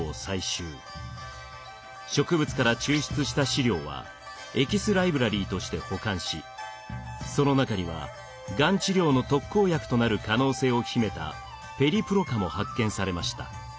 植物から抽出した試料はエキスライブラリーとして保管しその中にはがん治療の特効薬となる可能性を秘めたペリプロカも発見されました。